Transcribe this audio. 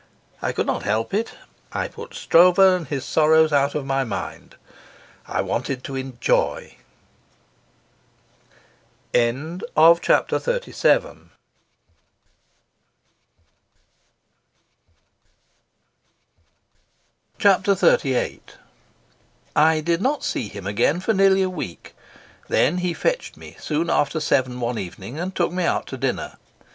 I could not help it; I put Stroeve and his sorrows out of my mind. I wanted to enjoy. Chapter XXXVIII I did not see him again for nearly a week. Then he fetched me soon after seven one evening and took me out to dinner.